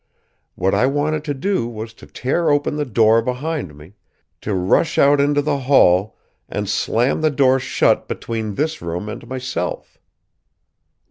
What I wanted to do was to tear open the door behind me, to rush out into the hall and slam the door shut between this room and myself.